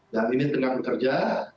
dan ini tengah bekerja